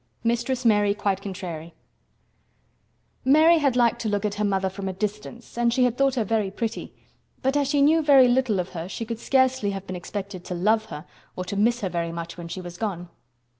MISTRESS MARY QUITE CONTRARY Mary had liked to look at her mother from a distance and she had thought her very pretty, but as she knew very little of her she could scarcely have been expected to love her or to miss her very much when she was gone.